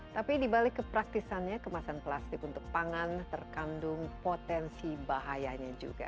tapi dibalik kepraktisannya kemasan plastik untuk pangan terkandung potensi bahayanya juga